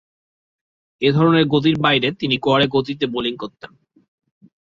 এ ধরনের গতির বাইরে তিনি গড়ে গতিতে বোলিং করতেন।